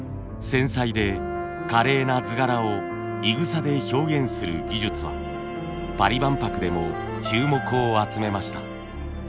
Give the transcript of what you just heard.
繊細で華麗な図柄をいぐさで表現する技術はパリ万博でも注目を集めました。